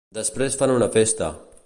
Després fan una festa.